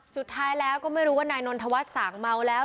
สุดท้ายแล้วก็ไม่รู้ว่านายนนทวัฒน์สางเมาแล้ว